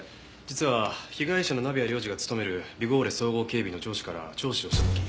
実は被害者の鍋谷亮次が勤めるビゴーレ総合警備の上司から聴取をした時。